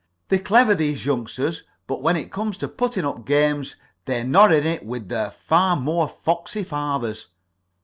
They're clever, these youngsters, but when it comes to putting up games, they're not in it with their far more foxy fathers.